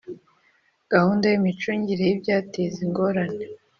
Gahunda y imicungire y ibyateza ingorane